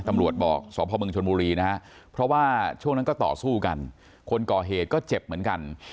ตำรวจบอกสพมชนบุรีนะฮะเพราะว่าช่วงนั้นก็ต่อสู้กันคนก่อเหตุก็เจ็บเหมือนกัน